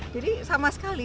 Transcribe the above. jadi sama sekali